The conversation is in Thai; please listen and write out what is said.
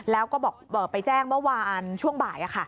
แล้วก็ไปแจ้งเมื่อวานช่วงบ่าย